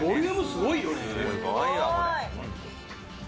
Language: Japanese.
すごいよ、これ。